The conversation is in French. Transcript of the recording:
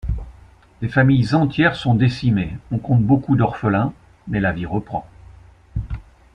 Des familles entières sont décimées, on compte beaucoup d’orphelins, mais la vie reprend.